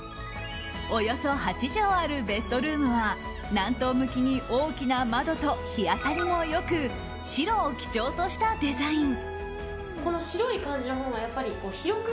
およそ８畳あるベッドルームは南東向きに大きな窓と日当たりも良く白を基調としたデザイン。